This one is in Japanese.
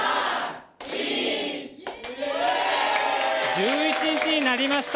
１１日になりました。